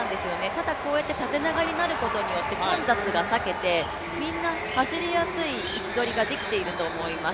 ただ、こうやって縦長になることによって混雑を避けてみんな走りやすい位置取りができていると思います。